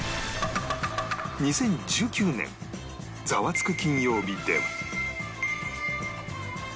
２０１９年『ザワつく！金曜日』では